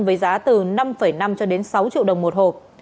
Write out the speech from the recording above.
với giá từ năm năm sáu triệu đồng một hộp